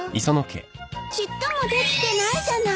ちっともできてないじゃない。